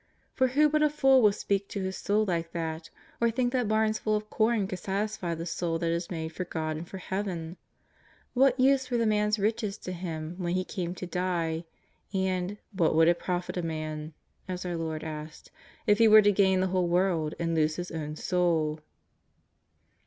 For who but a fool would speak to his soul like that, or think that barns full of corn could satisfy the soul that is made for God and for Heaven ! What use were the man's riches to him when he came to die, and '' what would it profit a man," as our Lord asked, '^ if he w^ere to gain the whole world and lose his own soul